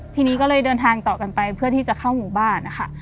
ทีนี้ก็เลยเดินทางต่อกันไปเพื่อที่จะเข้าหมู่บ้านนะคะ